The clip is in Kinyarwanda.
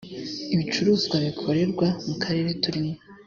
ibicuruzwa bikorerwa mu karere turimo.